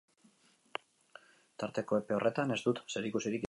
Tarteko epe horretan ez dut zerikusirik izan.